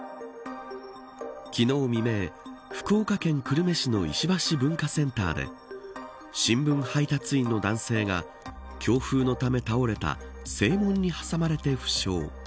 昨日未明福岡県久留米市の石橋文化センターで新聞配達員の男性が強風のため倒れた正門に挟まれて負傷。